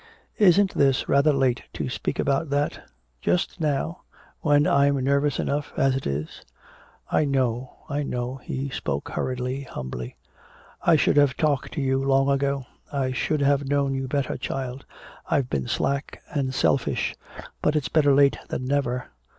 "Isn't this rather late to speak about that? Just now? When I'm nervous enough as it is?" "I know, I know." He spoke hurriedly, humbly. "I should have talked to you long ago, I should have known you better, child. I've been slack and selfish. But it's better late than never."